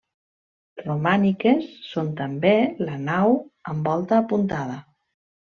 Romàniques són també la nau, amb volta apuntada.